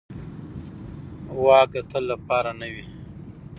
واک د تل لپاره نه وي